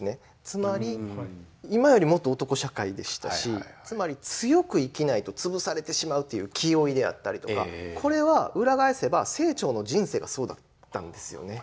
つまり今よりもっと男社会でしたしつまり強く生きないとつぶされてしまうという気負いであったりとかこれは裏返せば清張の人生がそうだったんですよね。